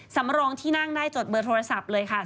สำรองที่นั่งได้จดเบอร์โทรศัพท์เลยค่ะ